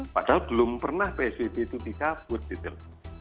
padahal belum pernah psbb itu ditabut di dalam